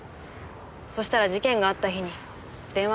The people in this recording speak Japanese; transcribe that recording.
そしたら事件があった日に電話があったんだ。